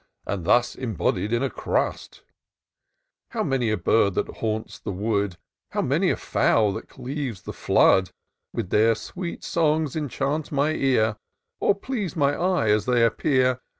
And thus embodied in a crust* How many a bird that haunts the wood, How many a fowl that cleaves the flood. With their sweet songs enchant my ear, Or please my eye as they appear.